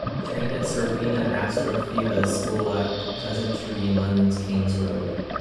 He trained at Serafina Astafieva's school at The Pheasantry in London's King's Road.